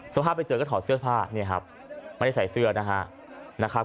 ภาพไปเจอก็ถอดเสื้อผ้าเนี่ยครับไม่ได้ใส่เสื้อนะครับ